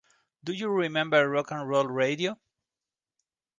Do You Remember Rock 'n' Roll Radio?